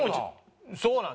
そうなん？